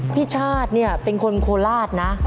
พี่ชาตินี่เป็นคนโคลาสนะ